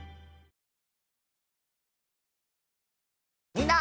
みんな。